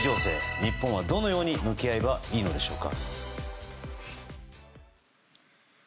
日本はどのように向き合えばいいのでしょうか。